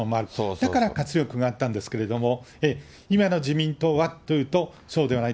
だから活力があったんですけれども、今の自民党はというと、そうではない。